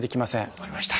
分かりました。